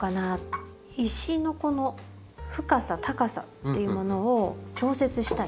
石のこの深さ高さっていうものを調節したい。